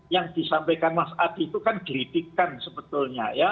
yang disampaikan mas hadi itu kan kritikan sebetulnya